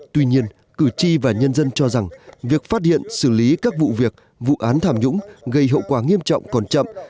tuy nhiên cử tri và nhân dân cho rằng việc phát hiện xử lý các vụ việc vụ án tham nhũng gây hậu quả nghiêm trọng còn chậm